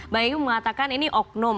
bang egy mengatakan ini oknum